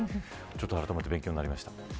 ちょっとあらためて勉強になりました。